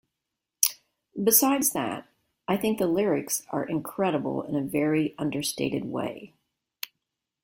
Besides that, I think the lyrics are incredible in a very understated way.